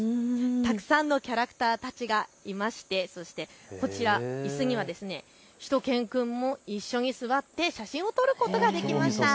たくさんのキャラクターたちがいましてこちら、いすにはしゅと犬くんも一緒に座って写真を撮ることができました。